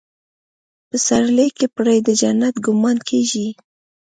پسرلي کې پرې د جنت ګمان کېږي.